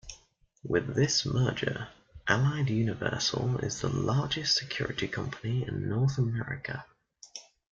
With this merger, Allied Universal is the largest security company in North America.